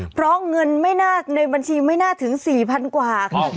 เพราะเงินในบัญชีไม่น่าถึง๔๐๐๐กว่า